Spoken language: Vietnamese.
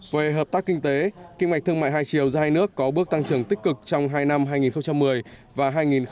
về hợp tác kinh tế kinh mạch thương mại hai triệu giữa hai nước có bước tăng trưởng tích cực trong hai năm hai nghìn một mươi và hai nghìn một mươi một